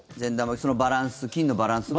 そのバランス菌のバランス。